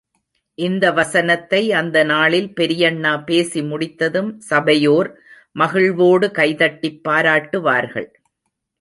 இந்த வசனத்தை அந்த நாளில் பெரியண்ணா பேசி முடித்ததும் சபையோர் மகிழ்வோடு கைதட்டிப் பாராட்டு வார்கள்.